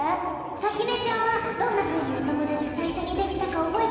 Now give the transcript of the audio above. さきねちゃんはどんなふうにおともだちさいしょにできたかおぼえてる？